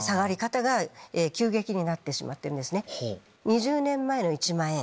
２０年前の１万円